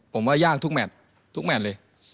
ผมว่ายากทุกแมททุกแมทเลย